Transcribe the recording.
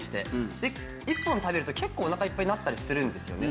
で１本食べると結構お腹いっぱいになったりするんですよね。